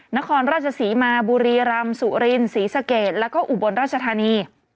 นครราชศรีมาบุรีรำสุรินศรีสะเกดแล้วก็อุบลราชธานี